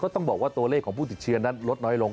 ต้องบอกว่าตัวเลขของผู้ติดเชื้อนั้นลดน้อยลง